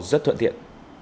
rất thuận thiện